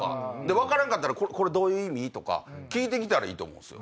分からんかったら「これどういう意味？」とか聞いて来たらいいと思うんすよ。